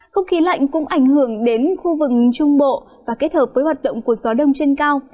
không khí lạnh cũng ảnh hưởng đến khu vực trung bộ và kết hợp với hoạt động của gió đông trên cao